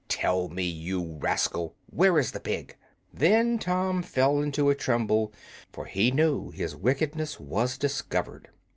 Tell me, you rascal, where is the pig?" Then Tom fell in a tremble, for he knew his wickedness was discovered.